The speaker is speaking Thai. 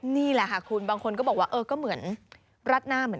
นี่แหละค่ะคุณบางคนก็บอกว่าเออก็เหมือนรัดหน้าเหมือน